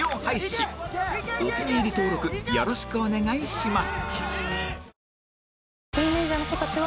お気に入り登録よろしくお願いします！